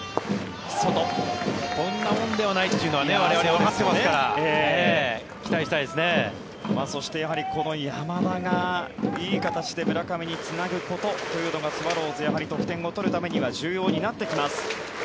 こんなもんではないっていうのは我々、わかっていますからそして、この山田がいい形で村上につなぐことというのがスワローズ、得点を取るためには重要になってきます。